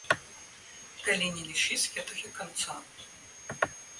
Калі не лічыць гэтага канца.